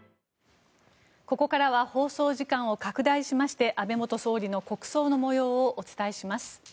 ここからは放送時間を拡大しまして安倍元総理の国葬の模様をお伝えします。